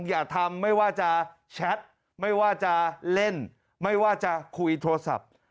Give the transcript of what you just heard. อย่าทำไม่ว่าจะแชทไม่ว่าจะเล่นไม่ว่าจะคุยโทรศัพท์